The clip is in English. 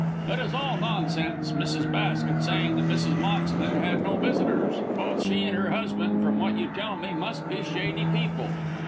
"It is all nonsense Mrs. Basket saying that Mrs. Moxton had no visitors. Both she and her husband, from what you tell me, must be shady people.